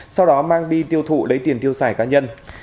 sau đó mang đi tiêu thụ lấy tiền tiêu xài cá nhân